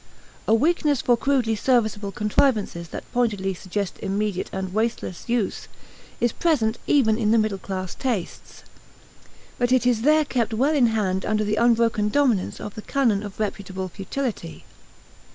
A weakness for crudely serviceable contrivances that pointedly suggest immediate and wasteless use is present even in the middle class tastes; but it is there kept well in hand under the unbroken dominance of the canon of reputable futility.